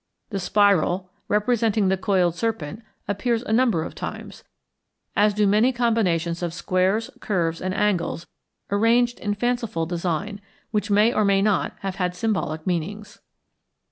The spiral, representing the coiled serpent, appears a number of times, as do many combinations of squares, curves, and angles arranged in fanciful design, which may or may not have had symbolic meanings.